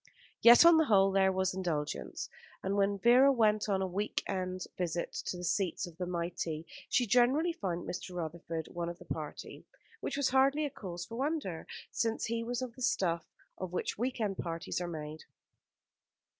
Yet on the whole there was indulgence; and when Vera went on a week end visit to the seats of the mighty she generally found Mr. Rutherford one of the party; which was hardly a cause for wonder, since he was of the stuff of which week end parties are made.